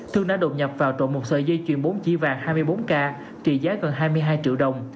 thương đã đột nhập vào trộm một sợi dây chuyền bốn chỉ vàng hai mươi bốn k trị giá gần hai mươi hai triệu đồng